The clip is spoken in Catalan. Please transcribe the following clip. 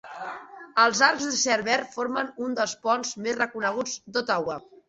Els arcs d"acer verd formen un dels ponts més reconeguts d"Ottawa.